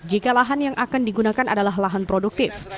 jika lahan yang akan digunakan adalah lahan produktif